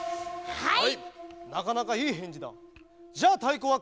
はい！